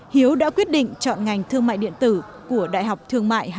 hiếu đã quyết định chọn ngành thương mại điện tử của đại học thương mại hà nội